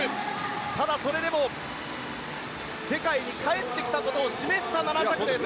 ただ、それでも世界に帰ってきたことを示した７着です。